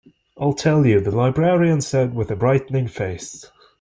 I'll tell you, the librarian said with a brightening face.